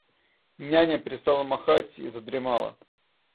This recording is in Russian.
Няня перестала махать и задремала.